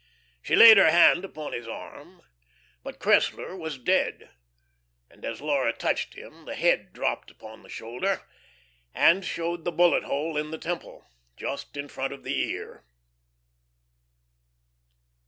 She laid her hand upon his arm. But Cressler was dead; and as Laura touched him the head dropped upon the shoulder and showed the bullet hole in the temple, just in front of the ear.